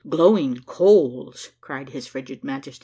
"Glowing coals !" cried his frigid Majesty.